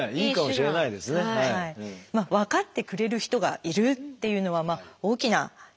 分かってくれる人がいるっていうのは大きな力になります。